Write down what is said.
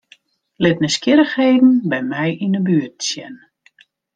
Lit nijsgjirrichheden by my yn 'e buert sjen.